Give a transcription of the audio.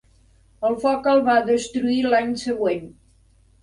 El foc el va destruir l'any següent.